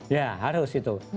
ya harus itu